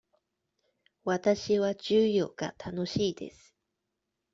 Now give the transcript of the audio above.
わたしは授業が楽しいです。